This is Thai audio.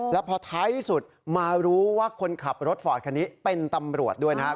แล้วพอท้ายที่สุดมารู้ว่าคนขับรถฟอร์ดคันนี้เป็นตำรวจด้วยนะครับ